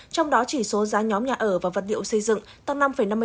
trong đó chỉ số giá nhóm nhà ở và vật liệu xây dựng tăng năm năm mươi năm